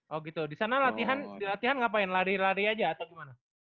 oh gitu di sana latihan ngapain lari lari aja atau gimana